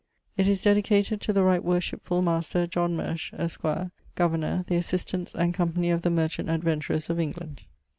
It is dedicated to the right worshipful master John Mershe, esq., governour, the assistants, and companie of the Merchaunte Adventurers of England.